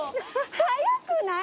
早くない？